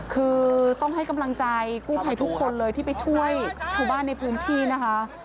คือต้องให้กำลังใจกู้ภัยทุกคนเลยที่ไปช่วยชาวบ้านในพื้นที่นะคะ